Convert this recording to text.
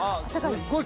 すっごい